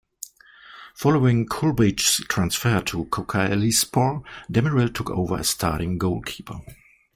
Following Kulbilge's transfer to Kocaelispor, Demirel took over as starting goalkeeper.